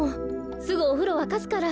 すぐおふろわかすから。